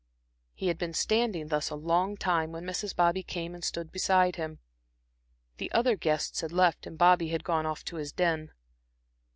He had been standing thus a long time when Mrs. Bobby came and stood beside him. The other guests had left and Bobby had gone off to his den.